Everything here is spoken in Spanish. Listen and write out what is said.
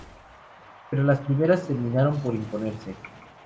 Pero las primeras terminaron por imponerse.